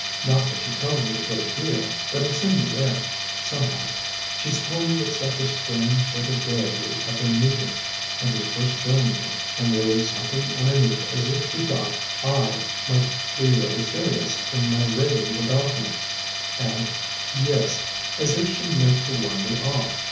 Not that she tells me a great deal, but it's in the air, somehow; she told me with such a strained sort of gaiety of their meeting and his first joining her; and there was something underneath as if she thought I might be really serious in my ravings about him, and yes, as if she meant to warn me off.